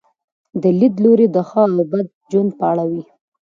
دا لیدلوری د ښه او بد ژوند په اړه وي.